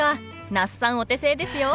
那須さんお手製ですよ。